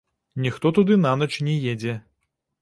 Ніхто туды нанач не едзе.